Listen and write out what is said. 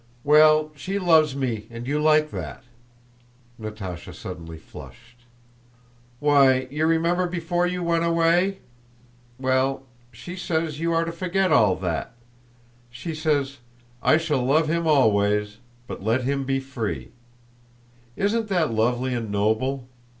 "Well, she loves me and you like that." Natásha suddenly flushed. "Why, you remember before you went away?... Well, she says you are to forget all that.... She says: 'I shall love him always, but let him be free.' Isn't that lovely and noble!